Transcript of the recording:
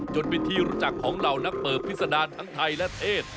จนเป็นที่รู้จักของเหล่านักเปิดพิษดารทั้งไทยและเทศ